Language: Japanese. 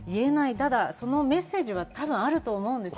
ただメッセージはあると思うんです。